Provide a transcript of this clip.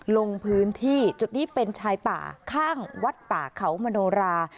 ลงพื้นที่จุดนี้เป็นชายป่าข้างวัดป่าเขามโนรา